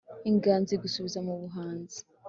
inganzo igusubiza mu buhanzi